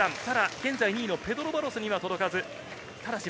現在２位のペドロ・バロスには届かず。